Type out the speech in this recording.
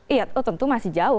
iya tentu masih jauh